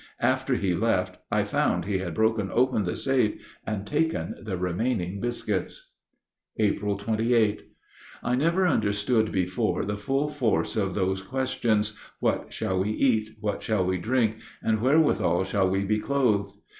After he left I found he had broken open the safe and taken the remaining biscuits. April 28. I never understood before the full force of those questions What shall we eat? what shall we drink? and wherewithal shall we be clothed?